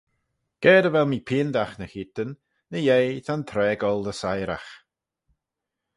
Ga dy vel mee piandagh ny cheayrtyn, ny-yeih ta'n traa goll dy syragh.